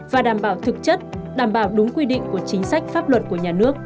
và đảm bảo thực chất đảm bảo đúng quy định của chính sách pháp luật của nhà nước